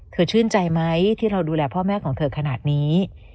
ชื่นใจไหมที่เราดูแลพ่อแม่ของเธอขนาดนี้